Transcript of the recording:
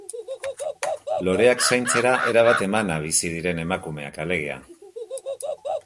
Loreak zaintzera erabat emana bizi diren emakumeak, alegia.